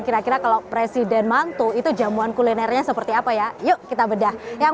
kira kira kalau presiden mantu itu jamuan kulinernya seperti apa ya yuk kita bedah yang